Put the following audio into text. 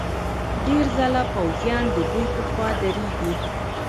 ډېر ځله پوځیان ددوی په خوا درېږي.